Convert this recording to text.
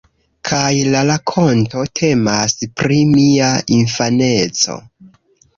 Kaj la rakonto temas pri mia infaneco.